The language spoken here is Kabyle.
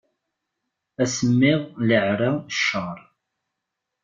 Asemmiḍ, leɛra, cceṛ.